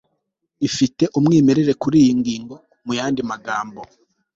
Ifite umwimerere kuriyi ngingo Muyandi magambo